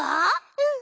うん。